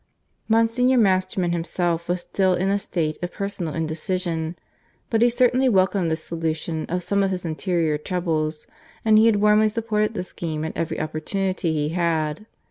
Monsignor Masterman himself was still in a state of personal indecision, but he certainly welcomed this solution of some of his interior troubles, and he had warmly supported the scheme at every opportunity he had.